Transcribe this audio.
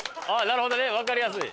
なるほどね。わかりやすい。